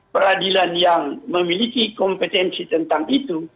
peradilan yang memiliki kompetensi tentang itu